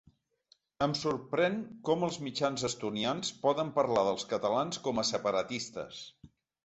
Em sorprèn com els mitjans estonians poden parlar dels catalans com a “separatistes”.